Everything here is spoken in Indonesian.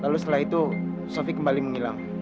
lalu setelah itu sofi kembali menghilang